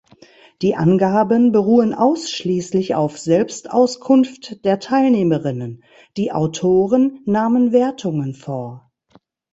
Die Angaben beruhen ausschließlich auf Selbstauskunft der Teilnehmerinnen; die Autoren nahmen Wertungen vor.